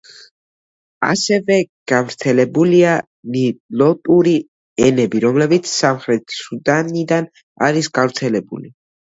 ასევე გავრცელებულია ნილოტური ენები, რომლებიც სამხრეთ სუდანიდან არის გავრცელებული.